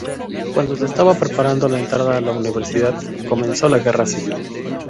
Cuando se estaba preparando la entrada a la universidad, comenzó la Guerra Civil.